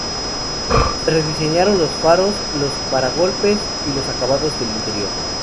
Se rediseñaron los faros, los paragolpes y los acabados del interior.